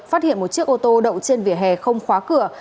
phát hiện một chiếc ô tô đậu trên vỉa hè không khóa cửa